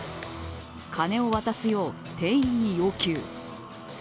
金を渡すよう店員に要求。